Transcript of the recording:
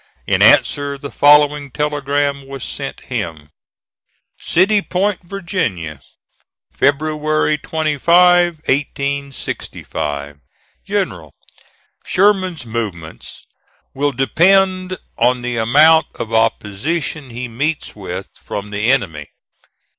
In answer, the following telegram was sent him: "CITY POINT, VA., February 25, 1865. "GENERAL: Sherman's movements will depend on the amount of opposition he meets with from the enemy.